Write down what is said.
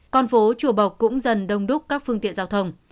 còn phố chùa bộc cũng dần đông đúc các phương tiện giao thông